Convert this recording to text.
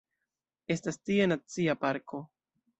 Estas tie nacia parko.